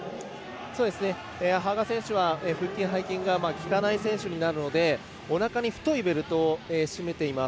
羽賀選手は腹筋、背筋が効かない選手なのでおなかに太いベルトを締めています。